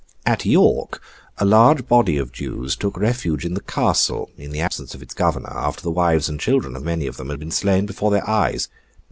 At York, a large body of Jews took refuge in the Castle, in the absence of its Governor, after the wives and children of many of them had been slain before their eyes.